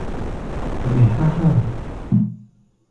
Mɛ há̧ há̧ a̧.